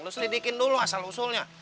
lo selidikin dulu asal usulnya